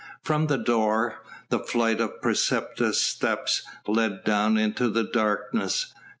From the door, a flight of precipitous steps led down into the darkness.